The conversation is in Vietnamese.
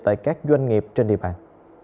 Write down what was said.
tại các doanh nghiệp trên địa bàn